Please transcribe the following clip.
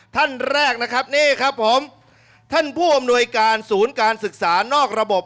ท่านแรกนะครับนี่ครับผมท่านผู้อำนวยการศูนย์การศึกษานอกระบบ